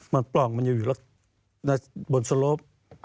มันปล่องมันยังอยู่บนสโลป